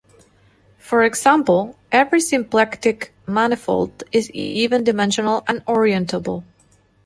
For example, every symplectic manifold is even-dimensional and orientable.